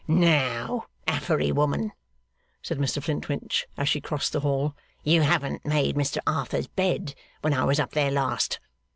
'Now, Affery, woman,' said Mr Flintwinch, as she crossed the hall. 'You hadn't made Mr Arthur's bed when I was up there last.